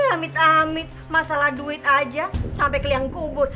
amit amit masalah duit aja sampai kalian kubur